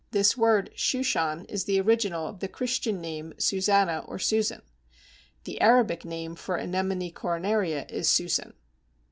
This word Shushan is the original of the Christian name Susannah or Susan. The Arabic name for Anemone coronaria is Susan.